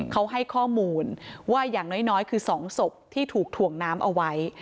เขาให้ข้อมูลว่าอย่างน้อยคือ๒ศพที่ถูกถ่วงน้ำเอาไว้